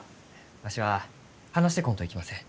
わしは話してこんといきません。